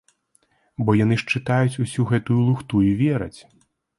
Бо яны ж чытаюць усю гэтую лухту і вераць.